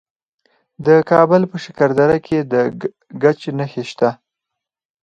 د کابل په شکردره کې د ګچ نښې شته.